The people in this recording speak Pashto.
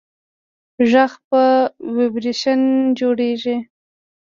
غږ په ویبرېشن جوړېږي.